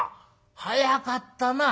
早かったな。